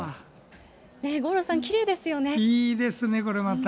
五郎さん、いいですね、これまた。